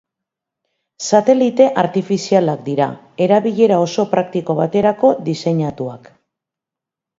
Satelite artifizialak dira, erabilera oso praktiko baterako diseinatuak.